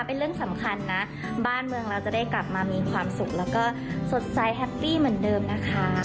เป็นเรื่องสำคัญนะบ้านเมืองเราจะได้กลับมามีความสุขแล้วก็สดใสแฮปปี้เหมือนเดิมนะคะ